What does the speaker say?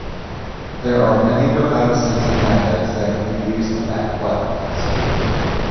There are many remote sensing methods that can be used to map wetlands.